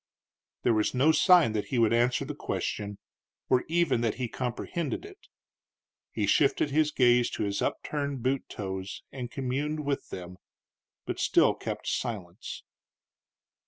There was no sign that he would answer the question or even that he comprehended it. He shifted his gaze to his upturned boot toes and communed with them, but still kept silence.